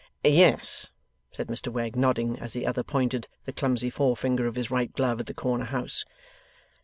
'Yes,' said Mr Wegg, nodding, as the other pointed the clumsy forefinger of his right glove at the corner house.